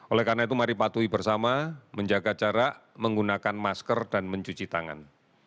oleh karena itu mari patuhi bersama menjaga jarak menggunakan masker dan mencuci tangan